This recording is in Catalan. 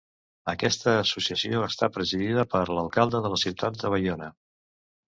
Aquesta associació està presidida per l'alcalde de la ciutat de Baiona.